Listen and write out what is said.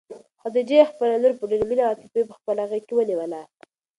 خدیجې خپله لور په ډېرې مینې او عاطفې په خپله غېږ کې ونیوله.